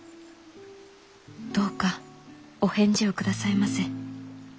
どうかお返事を下さいませ。